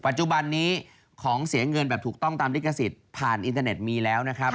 ปัจจุบันนี้ของเสียเงินแบบถูกต้องตามลิขสิทธิ์ผ่านอินเทอร์เน็ตมีแล้วนะครับ